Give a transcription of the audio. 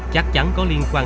chắc chắn có liên quan